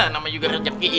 namanya juga recep ki'i